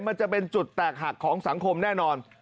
มันจะเป็นจุดแตกหักของสังคมแน่นอน